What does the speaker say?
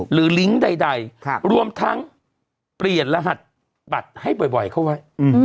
ลิงก์ใดรวมทั้งเปลี่ยนรหัสบัตรให้บ่อยเข้าไว้